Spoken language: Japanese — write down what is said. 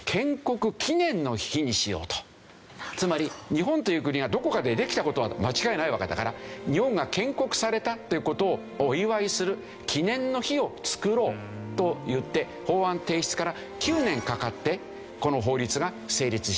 じゃあつまり日本という国はどこかでできた事は間違いないわけだから日本が建国されたという事をお祝いする記念の日を作ろうといって法案提出から９年かかってこの法律が成立したんですね。